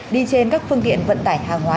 đi trên các phương tiện vận tải hàng hóa